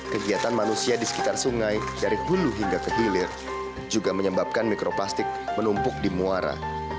kegiatan manusia di sekitar sungai dari hulu hingga ke hilir juga menyebabkan mikroplastik menumpuk di muara